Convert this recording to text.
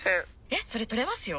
えっそれ取れますよ！